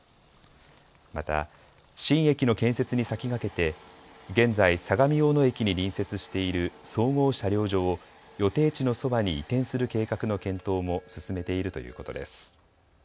また新駅の建設に先駆けて現在、相模大野駅に隣接している総合車両所を予定地のそばに移転する計画の検討も進めているということです。